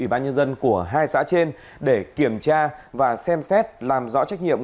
ubnd tạm đình chỉ công tác đối với chủ tịch ubnd của hai xã trên để kiểm tra và xem xét làm rõ trách nhiệm